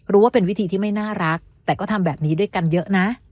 ว่าเป็นวิธีที่ไม่น่ารักแต่ก็ทำแบบนี้ด้วยกันเยอะนะ